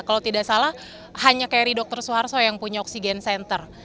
kalau tidak salah hanya kri dr soeharto yang punya oksigen center